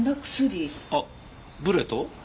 あっブレト？